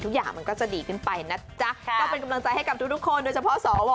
มันก็จะดีขึ้นไปนะจ๊ะก็เป็นกำลังใจให้กับทุกคนโดยเฉพาะสว